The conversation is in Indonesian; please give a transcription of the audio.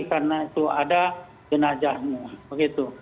karena itu ada jenazahnya